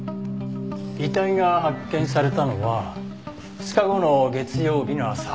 遺体が発見されたのは２日後の月曜日の朝。